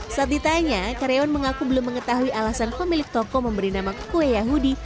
saat ditanya karyawan mengaku belum mengetahui alasan pemilik toko memberi nama kue yahudi